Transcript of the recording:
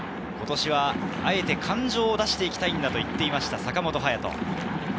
今年はあえて感情を出していきたいと言っていた坂本勇人。